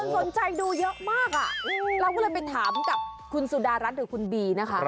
สนใจดูเยอะมากอ่ะเราก็เลยไปถามกับคุณสุดารัฐหรือคุณบีนะคะ